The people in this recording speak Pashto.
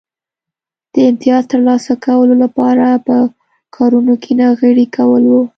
د امیتاز ترلاسه کولو لپاره په کارونو کې ناغېړي کول و